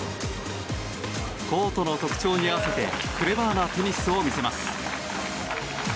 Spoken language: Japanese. コートの特徴に合わせてクレバーなテニスを見せます。